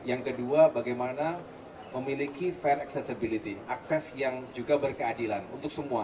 yang kedua bagaimana memiliki fan accessibility akses yang juga berkeadilan untuk semua